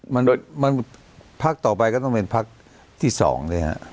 มันพักต่อไปทำเป็นพักที่๒เลย